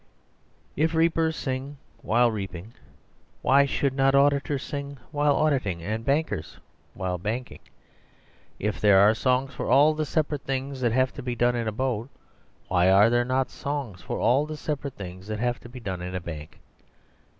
..... If reapers sing while reaping, why should not auditors sing while auditing and bankers while banking? If there are songs for all the separate things that have to be done in a boat, why are there not songs for all the separate things that have to be done in a bank?